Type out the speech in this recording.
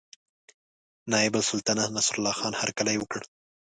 نایب السلطنته نصرالله خان هرکلی وکړ.